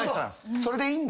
それでいいんだ。